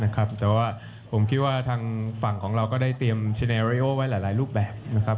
แต่ว่าผมคิดว่าทางฝั่งของเราก็ได้เตรียมเชเนริโอไว้หลายรูปแบบนะครับ